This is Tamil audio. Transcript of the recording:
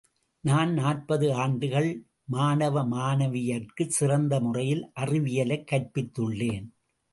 நான் நாற்பது ஆண்டுகள் மாணவமாணவியர்க்குச் சிறந்த முறையில் அறிவியலைக் கற்பித்துள்ளேன்.